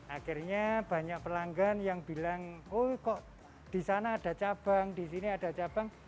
akhirnya banyak pelanggan yang bilang oh kok disana ada cabang disini ada cabang